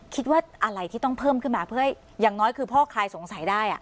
คิดว่าอะไรที่ต้องเพิ่มขึ้นมาเพื่อให้อย่างน้อยคือพ่อคลายสงสัยได้